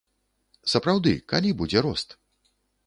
Сапраўды, калі будзе рост?